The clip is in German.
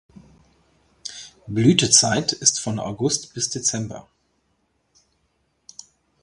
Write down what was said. Blütezeit ist von August bis Dezember.